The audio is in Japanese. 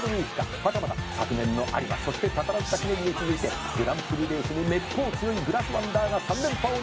「はたまた昨年の有馬そして宝塚記念に続いてグランプリレースにめっぽう強いグラスワンダーが３連覇を狙うか」